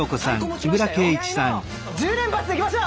気合の１０連発行きましょう！